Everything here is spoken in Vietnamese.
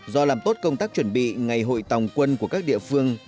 do làm tốt công tác chuẩn bị ngày hội tòng quân của các địa phương